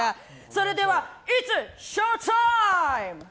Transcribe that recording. それではイッツショータイム！